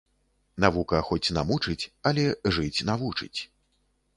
Навука хоць намучыць, але жыць навучыць